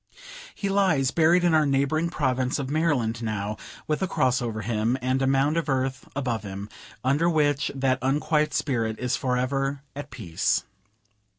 He lies buried in our neighboring province of Maryland now, with a cross over him, and a mound of earth above him; under which that unquiet spirit is for ever at peace.